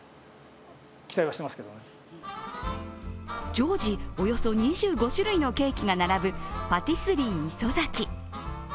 常時およそ２５種類のケーキが並ぶパティスリーＩＳＯＺＡＫＩ。